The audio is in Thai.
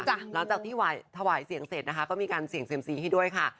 หลังจากที่ถวายเสียงเสร็จนะคะก็มีการเสี่ยงเซียมซีให้ด้วยค่ะ